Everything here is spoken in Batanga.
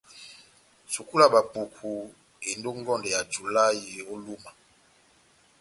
Sukulu ya bapuku endi ó ngɔndɛ yá julahï ó Lúma.